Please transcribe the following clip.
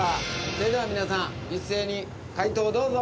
それでは皆さん一斉に解答をどうぞ。